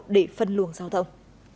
để phân luồng giao thông